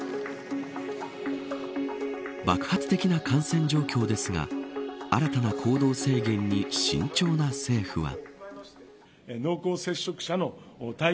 爆発的な感染状況ですが新たな行動制限に慎重な政府は。